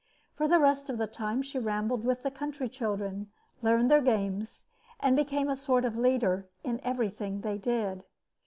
For the rest of the time she rambled with the country children, learned their games, and became a sort of leader in everything they did.